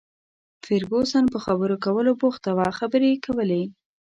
فرګوسن په خبرو کولو بوخته وه، خبرې یې کولې.